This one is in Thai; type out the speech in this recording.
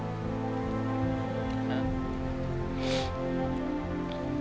ครับ